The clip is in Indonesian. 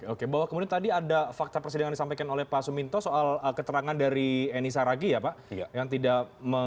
oke bahwa kemudian tadi ada fakta persidangan yang disampaikan oleh pak suminto soal keterangan dari eni saragi ya pak